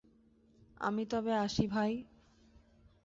আমি তবে আসি ভাই!